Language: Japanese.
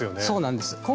そうなんです